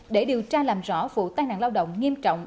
để điều tra làm rõ vụ tai nạn lao động nghiêm trọng